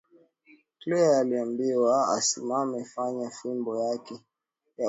Cleo aliambiwa asimame fanya fimbo yako ya uvuvi kwa wavuvi wa Pharos na Canopus